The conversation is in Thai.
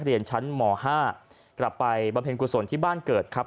เรียนชั้นหมอ๕กลับไปบำเพ็ญกุศลที่บ้านเกิดครับ